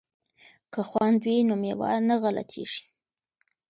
که خوند وي نو مېوه نه غلطیږي.